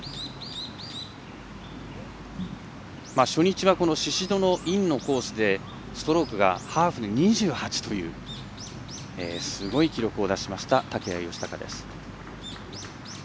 初日は、宍戸のインのコースでストロークがハーフに２８というすごい記録を出しました竹谷佳孝です。